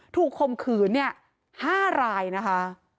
ถูกคมขืน๕รายนะคะ